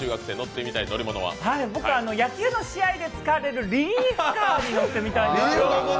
僕、野球の試合で使われるリリーフカーに乗ってみたいです。